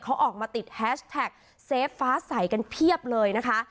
เขาออกมาติดแฮชแท็กเซฟฟ้าใสกันเพียบเลยนะคะ